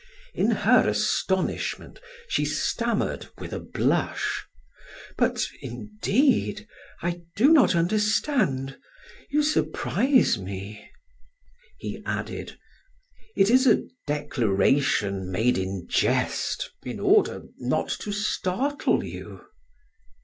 In her astonishment, she stammered with a blush: "But indeed I do not understand you surprise me." He added: "It is a declaration made in jest in order not to startle you."